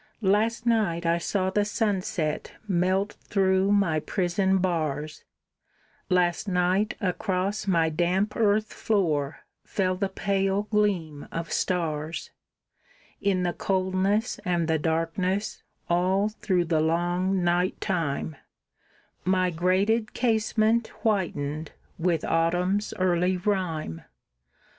Last night I saw the sunset melt through my prison bars, Last night across my damp earth floor fell the pale gleam of stars; In the coldness and the darkness all through the long night time, My grated casement whitened with autumn's early rime.